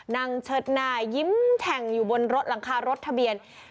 เชิดหน้ายิ้มแฉ่งอยู่บนรถหลังคารถทะเบียน